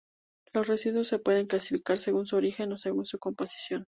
Los residuos se pueden clasificar según su origen o según su composición.